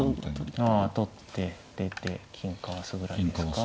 ああ取って出て金かわすぐらいですか。